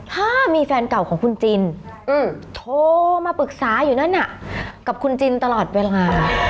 ถ้ามีแฟนเก่าของคุณจินโทรมาปรึกษาอยู่นั่นน่ะกับคุณจินตลอดเวลา